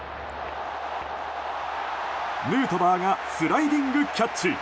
ヌートバーがスライディングキャッチ。